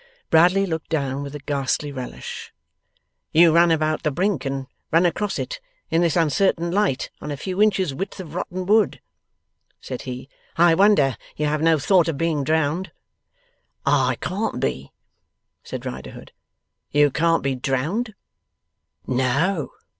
Bradley looked down with a ghastly relish. 'You run about the brink, and run across it, in this uncertain light, on a few inches width of rotten wood,' said he. 'I wonder you have no thought of being drowned.' 'I can't be!' said Riderhood. 'You can't be drowned?' 'No!